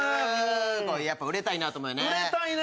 やっぱ売れたいなと思うよね。